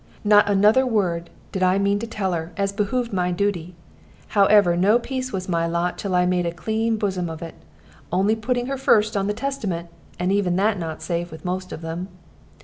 Not another word did I mean to tell her, as behooved my dooty. Howsoever, no peace was my lot till I made a clean bosom of it, only putting her first on the Testament, and even that not safe with most of them.